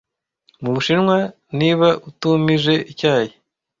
Mubushinwa niba utumije icyayi